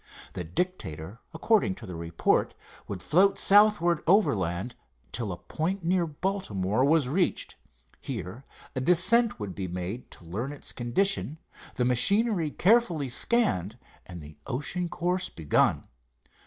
The Dictator, according to the report, would float southward overland till a point near Baltimore was reached. Here a descent would be made to learn its condition, the machinery carefully scanned, and the ocean course begun.